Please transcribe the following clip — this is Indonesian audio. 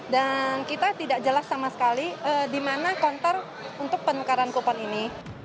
dan kita tidak jelas sama sekali di mana kontor untuk penukaran kupon ini